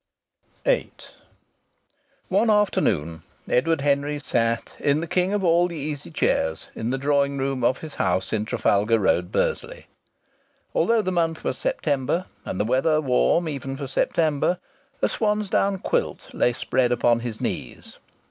VIII One afternoon Edward Henry sat in the king of all the easy chairs in the drawing room of his house in Trafalgar Road, Bursley. Although the month was September, and the weather warm even for September, a swansdown quilt lay spread upon his knees.